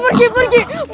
babi pergi gak